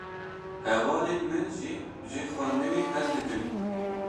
Hevalên min jî ji xwendinê hez dikin.